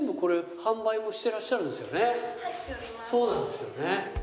そうなんですよね。